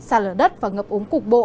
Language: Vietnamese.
xa lở đất và ngập úng cục bộ